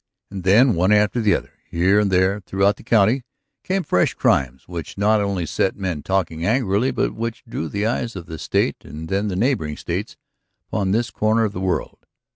And then, one after the other, here and there throughout the county came fresh crimes which not only set men talking angrily but which drew the eyes of the State and then of the neighboring States upon this corner of the world.